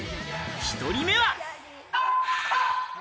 １人目は。